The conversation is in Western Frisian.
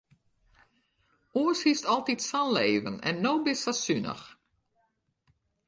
Oars hiest altyd sa'n leven en no bist sa sunich.